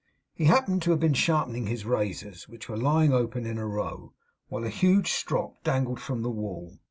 He happened to have been sharpening his razors, which were lying open in a row, while a huge strop dangled from the wall.